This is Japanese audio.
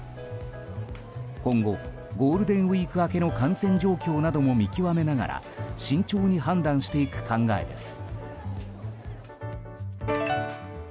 今後、ゴールデンウィーク明けの感染状況なども見極めながら慎重に判断していく考えです。